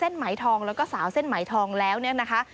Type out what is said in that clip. ไหมทองแล้วก็สาวเส้นไหมทองแล้วเนี่ยนะคะ